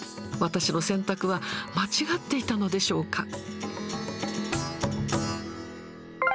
私の選択は間違っていたのでしょうか。